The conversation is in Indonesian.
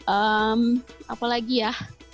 ehm apa lagi ya